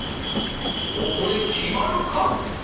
ここで決まるか？